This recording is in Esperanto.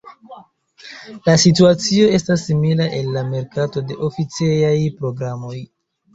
La situacio estas simila en la merkato de oficejaj programoj.